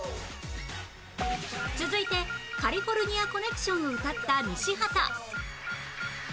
続いて『カリフォルニア・コネクション』を歌った西畑